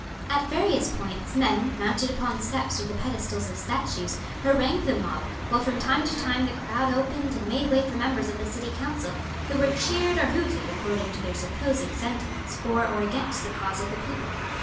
At various points men, mounted upon steps or the pedestals of statues, harangued the mob while from time to time the crowd opened and made way for members of the city council, who were cheered or hooted according to their supposed sentiments for or against the cause of the people.